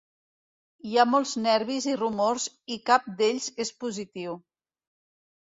Hi ha molts nervis i rumors i cap d’ells és positiu.